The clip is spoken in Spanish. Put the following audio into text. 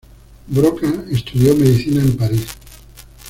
Broca estudió medicina en París.